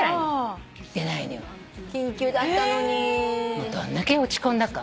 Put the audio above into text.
もうどんだけ落ち込んだか。